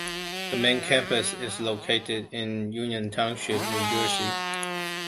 The main campus is located in Union Township, New Jersey.